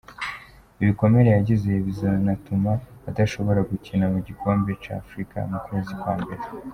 Ibikomere yagize bizonatuma adashobora gukina mu gikombe ca Afrika mu kwezi kwa mbere.